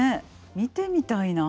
見てみたいなあ。